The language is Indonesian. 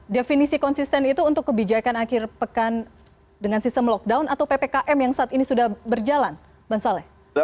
definisi konsisten itu untuk kebijakan akhir pekan dengan sistem lockdown atau ppkm yang saat ini sudah berjalan bang saleh